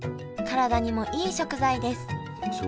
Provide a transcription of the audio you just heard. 体にもいい食材です。